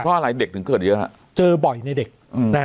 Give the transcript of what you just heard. เพราะอะไรเด็กถึงเกิดเยอะฮะเจอบ่อยในเด็กอืม